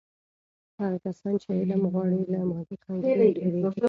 هغه کسان چې علم غواړي، له مادي خنډونو تیریږي.